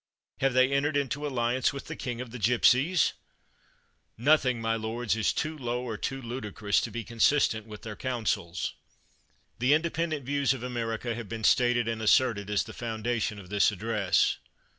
Have they entered into alliance with the king of the gip sies f Nothing, my lords, is too low or too ludicrous to be consistent with their counsels. The independent views of America have been stated and asserted as the foundation of this address.